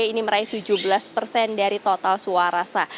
ini meraih tujuh belas persen dari total suara sah